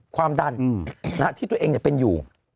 ความดันที่ตัวเองเป็นอยู่